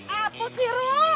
eh putih rul